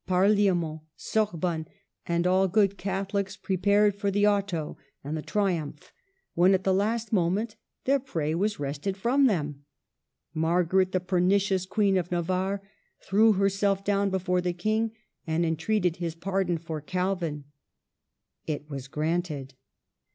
Parliament, Sorbonne, all good Catholics, prepared for the Auto and the triumph, when, at the last moment, their prey was wrested from them : Margaret, the perni cious Queen of Navarre, threw herself down before the King and entreated his pardon for Calvin. It was granted.